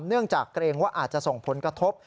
เนื่องจากเกรงว่าอาจจะส่งผลกระทบ